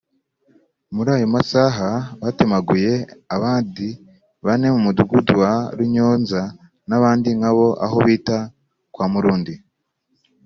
muri ayo masaha batemaguye abadi bane mu mudugudu wa Runyonza n’abandi nkabo aho bita kwa Murundi